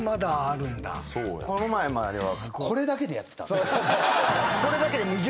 この前まではこれだけでやってた。